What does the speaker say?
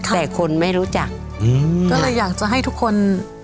แต่คนไม่รู้จักก็เลยอยากจะให้ทุกคน